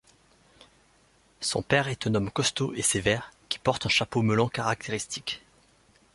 Son père est un homme costaud et sévère qui porte un chapeau melon caractéristique.